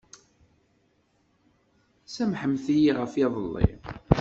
Samḥemt-iyi ɣef yiḍelli.